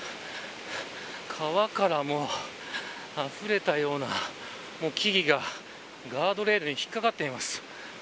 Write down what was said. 川からあふれたような木がガードレールに引っかかっています。